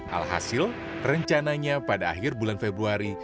alhasil rencananya pada akhir bulan februari